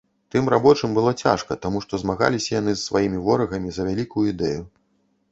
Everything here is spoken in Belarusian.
Там рабочым было цяжка, таму што змагаліся яны з сваімі ворагамі за вялікую ідэю.